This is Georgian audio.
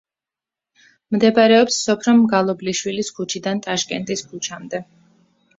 მდებარეობს სოფრომ მგალობლიშვილის ქუჩიდან ტაშკენტის ქუჩამდე.